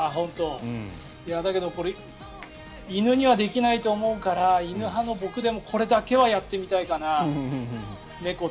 だけど、これ犬にはできないと思うから犬派の僕でもこれだけはやってみたいかな。